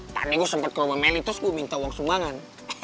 ternyata gue sempet ke rumah meli terus gue minta uang sumbangan